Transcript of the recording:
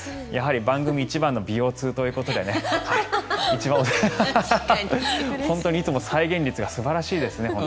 やはり番組一番の美容通ということで本当にいつも再現率が素晴らしいです。